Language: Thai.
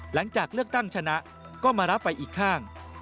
หลังจากเลือกตั้งชนะก็มารับไปอีกข้าง